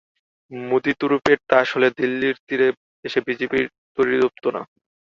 মোদি তুরুপের তাস হলে দিল্লির তীরে এসে বিজেপির তরি ডুবত না।